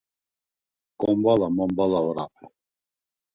Kombala mombala orape!